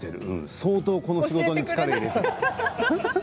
相当、この仕事に力をれている。